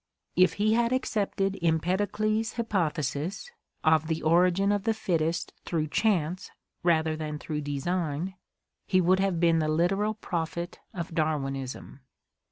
... If he had accepted Empedocles, hypothesis [of the origin of the fittest through chance rather than through design] he would have been the literal prophet of Darwinism."